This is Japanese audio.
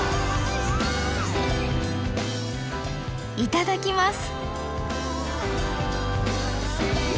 いただきます。